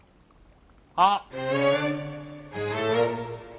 あっ！